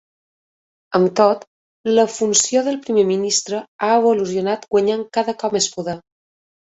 Amb tot, la funció del primer ministre ha evolucionat guanyant cada cop més poder.